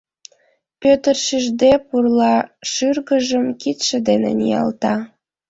Пӧтыр шижде пурла шӱргыжым кидше дене ниялта...